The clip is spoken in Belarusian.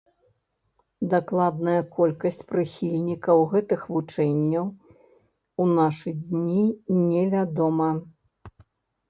Дакладная колькасць прыхільнікаў гэтых вучэнняў у нашы дні не вядома.